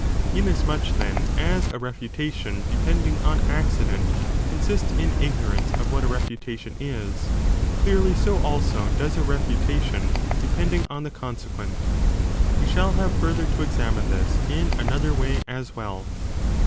Inasmuch, then, as a refutation depending on accident consists in ignorance of what a refutation is, clearly so also does a refutation depending on the conse quent. We shall have further to examine this in another 5 way as well.